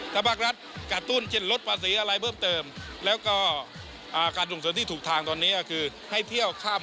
ถ้าภาครัฐกระตุ้นเช่นลดภาษีอะไรเพิ่มเติม